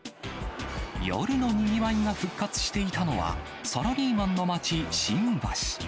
夜のにぎわいが復活していたのは、サラリーマンの街、新橋。